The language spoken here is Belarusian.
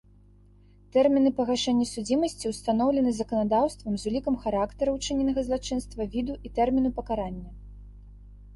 Тэрміны пагашэння судзімасці ўстаноўлены заканадаўствам з улікам характарам учыненага злачынства, віду і тэрміну пакарання.